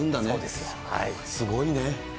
すごいね。